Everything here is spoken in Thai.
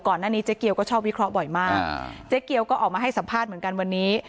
หน้าเจ๊เกียวก็ชอบวิเคราะห์บ่อยมากเจ๊เกียวก็ออกมาให้สัมภาษณ์เหมือนกันวันนี้